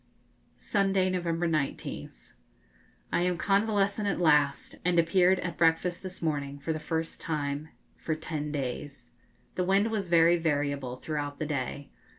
Sunday, November 19th. I am convalescent at last, and appeared at breakfast this morning for the first time for ten days. The wind was very variable throughout the day.